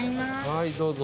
はいどうぞ。